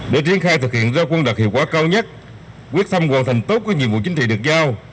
để triển khai thực hiện giao quân đạt hiệu quả cao nhất quyết tâm hoàn thành tốt các nhiệm vụ chính trị được giao